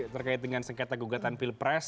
terkait dengan sengketa gugatan pilpres